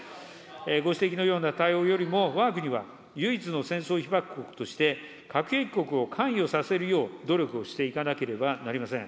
ご指摘のような対応よりも、わが国は唯一の戦争被爆国として、核兵器国を関与させるよう努力をしていかなければなりません。